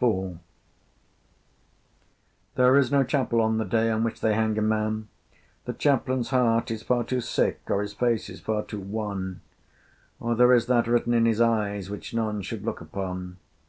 IV. There is no chapel on the day On which they hang a man: The Chaplain's heart is far too sick, Or his face is far to wan, Or there is that written in his eyes Which none should look upon.